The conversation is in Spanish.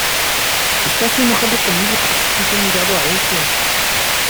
estás enojado conmigo porque antes he mirado a ése...